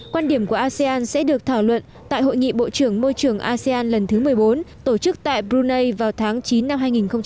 quan điểm của asean sẽ được thảo luận tại hội nghị bộ trưởng môi trường asean lần thứ một mươi bốn tổ chức tại brunei vào tháng chín năm hai nghìn hai mươi